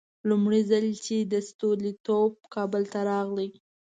لومړی ځل چې ستولیتوف کابل ته راغی.